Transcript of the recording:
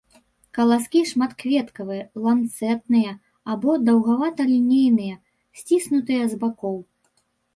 Каласкі шматкветкавыя, ланцэтныя або даўгавата-лінейныя, сціснутыя з бакоў.